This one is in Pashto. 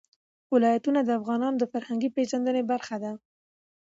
ولایتونه د افغانانو د فرهنګي پیژندنې برخه ده.